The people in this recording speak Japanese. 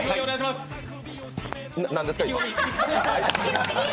何ですか？